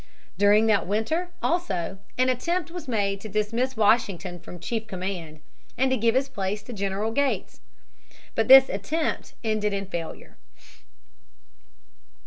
During that winter, also, an attempt was made to dismiss Washington from chief command, and to give his place to General Gates. But this attempt ended in failure.